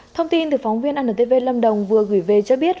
thông tin từ phóng viên antv lâm đồng vừa gửi về cho biết